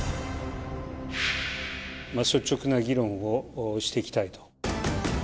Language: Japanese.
率直な議論をしていきたいと。